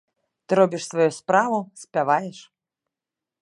Ты робіш сваю справу, спяваеш.